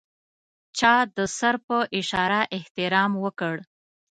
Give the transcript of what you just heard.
چا د سر په اشاره احترام وکړ.